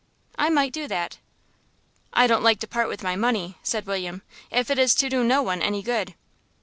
"I might do that." "I don't like to part with my money," said William, "if it is to do no one any good."